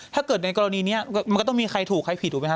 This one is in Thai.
ถ้าเกิดในกรณีนี้มันก็ต้องมีใครถูกใครผิดถูกไหมฮ